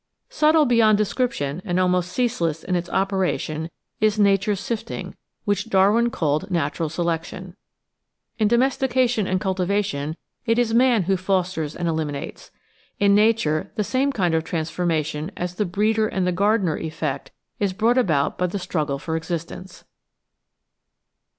Subtle beyond description and almost ceaseless in its operation is nature's sifting, which Darwin called Natural Selection. In domestication and cultivation it is Man who fosters and elimi nates; in nature the same kind of transformation as the breeder 868 The Outline of Science and the gardener effect is brought about by the struggle for existence.